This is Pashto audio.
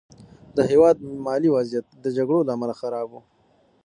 د هېواد مالي وضعیت د جګړو له امله خراب و.